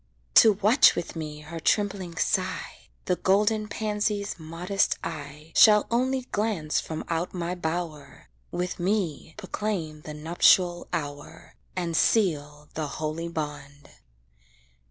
To watch with me her trembling sigh, The golden pansy's modest eye Shall only glance from out my bower, With me proclaim the nuptial hour, And seal the holy bond.